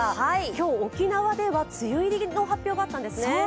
今日、沖縄では梅雨入りの発表があったんですね。